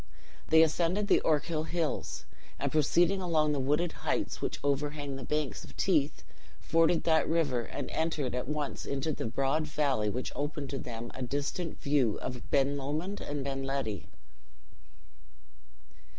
They ascended the Ochil Hills, and proceeding along the wooded heights which overhang the banks of Teith, forded that river, and entered at once into the broad valley which opened to them a distant view of Ben Lomond and Ben Ledi.